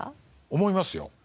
思いますよ。